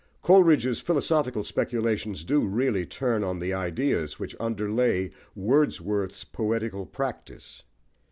Coleridge's philosophical speculations do really turn on the ideas which underlay Wordsworth's poetical practice.